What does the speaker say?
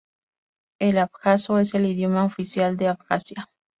El abjaso es el idioma oficial en Abjasia.